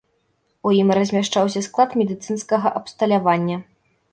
У ім размяшчаўся склад медыцынскага абсталявання.